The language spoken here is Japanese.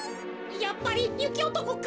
やっぱりゆきおとこか？